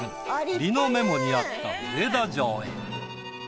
梨乃メモにあった上田城へ。